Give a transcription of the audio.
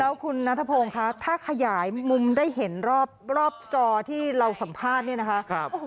แล้วคุณนัทพงศ์คะถ้าขยายมุมได้เห็นรอบจอที่เราสัมภาษณ์เนี่ยนะคะ